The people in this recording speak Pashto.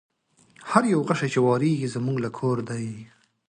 هر یو غشی چي واریږي زموږ له کور دی